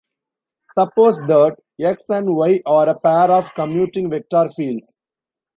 Suppose that "X" and "Y" are a pair of commuting vector fields.